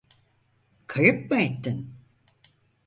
Kayıp mı ettin?